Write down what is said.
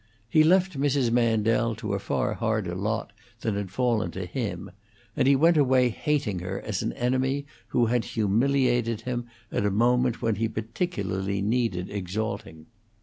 He left Mrs. Mandel to a far harder lot than had fallen to him, and he went away hating her as an enemy who had humiliated him at a moment when he particularly needed exalting.